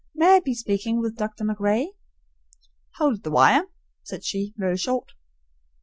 "May I be speaking with Dr. MacRae?" "Howld the wire," said she, very short.